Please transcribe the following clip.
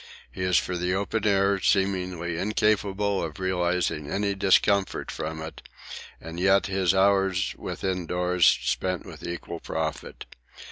He is for the open air, seemingly incapable of realising any discomfort from it, and yet his hours within doors spent with equal profit.